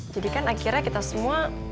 jadi kan akhirnya kita semua